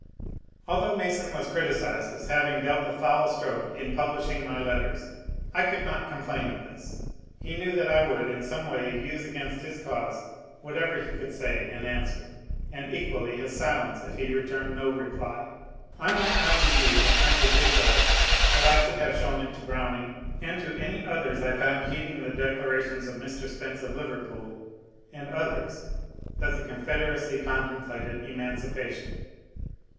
Although Mason was criticised as having dealt a foul stroke in publishing my letters, I could not complain of this. He knew that I would in some way use against his cause what ever he could say in answer, and equaUy his silence if he re turned no reply. I might not indeed have printed his letter, but I should have shown it to Browning and to any others I found heeding the declarations of Mr. Spence of Liverpool and others that the Confederacy contemplated emancipation.